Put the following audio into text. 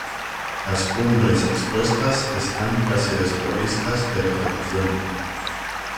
Las cumbres expuestas están casi desprovistas de vegetación.